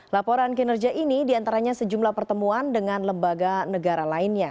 laporan kinerja ini diantaranya sejumlah pertemuan dengan lembaga negara lainnya